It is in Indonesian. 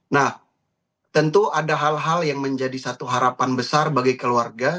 nah tentu ada hal hal yang menjadi satu harapan besar bagi keluarga